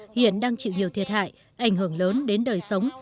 hiện đang chịu nhiều thiệt hại ảnh hưởng lớn đến đời sống